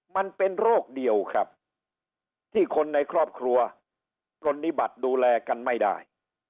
มันเป็นโรคเดียวครับที่คนในครอบครัวปรณิบัติดูแลกันไม่ได้